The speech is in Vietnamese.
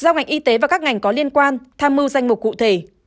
giao ngành y tế và các ngành có liên quan tham mưu danh mục cụ thể